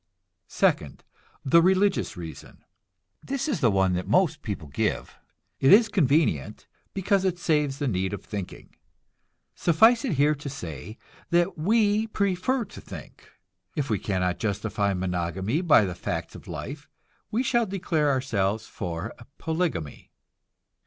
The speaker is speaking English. Second, the religious reason. This is the one that most people give. It is convenient, because it saves the need of thinking. Suffice it here to say that we prefer to think. If we cannot justify monogamy by the facts of life, we shall declare ourselves for polygamy.